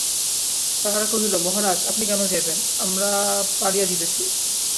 তাহারা কহিল, মহারাজ, আপনি কেন যাইবেন, আমরা পাড়িয়া দিতেছি।